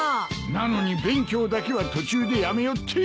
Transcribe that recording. なのに勉強だけは途中でやめよって。